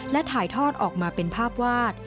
และถ่ายทอดออกมาเป็นภาพวาด